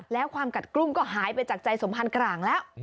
แล้วความกัดกลุ้งก็หายไปจากใจสมพันธ์กลางแล้ว